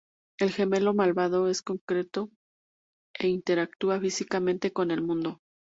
El gemelo malvado es concreto e interactúa físicamente con el mundo.